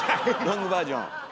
ロングバージョン。